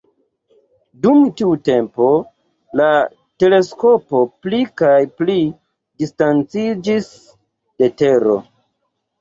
Dum tiu tempo la teleskopo pli kaj pli distanciĝis de Tero.